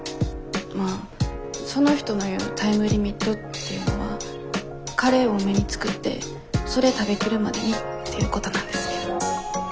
まあその人の言うタイムリミットっていうのはカレー多めに作ってそれ食べきるまでにっていうことなんですけど。